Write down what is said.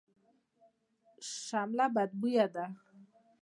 شمله بدبویه ده.